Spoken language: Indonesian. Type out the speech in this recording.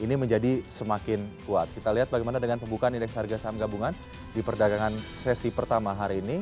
ini menjadi semakin kuat kita lihat bagaimana dengan pembukaan indeks harga saham gabungan di perdagangan sesi pertama hari ini